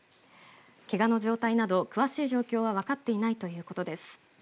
けがの状態など詳しい状況は分かっていないということです。